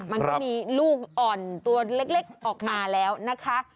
มันก็มีลูกอ่อนตัวเล็กออกมาแล้วนะคะ